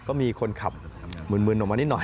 ก็มีคนขับมืนออกมานิดหน่อย